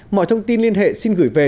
mọi thông tin liên hệ xin gửi về